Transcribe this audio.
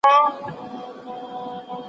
د وړو ماشومانو سمه روزنه وکړئ.